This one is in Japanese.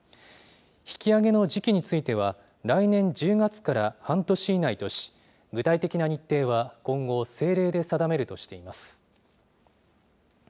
引き上げの時期については、来年１０月から半年以内とし、具体的な日程は今後、政令で定めるとしています。